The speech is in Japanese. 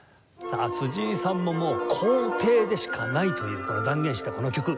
辻井さんももう「皇帝」でしかないという断言したこの曲。